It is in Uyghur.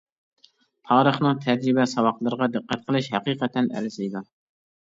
تارىخنىڭ تەجرىبە-ساۋاقلىرىغا دىققەت قىلىش ھەقىقەتەن ئەرزىيدۇ.